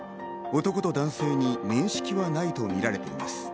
男と男性に面識はないとみられています。